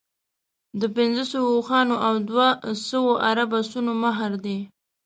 د پنځوسو اوښانو او دوه سوه عرب اسونو مهر دی.